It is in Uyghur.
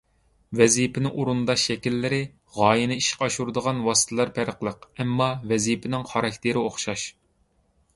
ۋەزىپىنى ئورۇنداش شەكىللىرى، غايىنى ئىشقا ئاشۇرىدىغان ۋاسىتىلەر پەرقلىق، ئەمما ۋەزىپىنىڭ خاراكتېرى ئوخشاش.